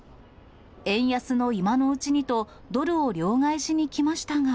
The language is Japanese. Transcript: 円安の今のうちにとドルを両替しに来ましたが。